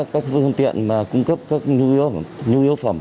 các phương tiện cung cấp các nhu yếu phẩm